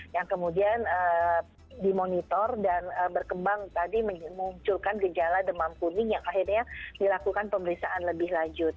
yang kemudian dimonitor dan berkembang tadi memunculkan gejala demam kuning yang akhirnya dilakukan pemeriksaan lebih lanjut